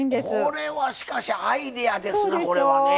これはしかしアイデアですなこれはね。